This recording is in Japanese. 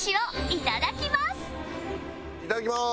いただきます！